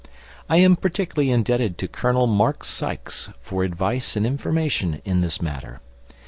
I am particularly indebted to Colonel Mark Sykes for advice and information in this matter.